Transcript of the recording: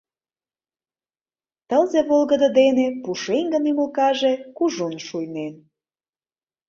Тылзе волгыдо дене пушеҥгын ӱмылкаже кужун шуйнен.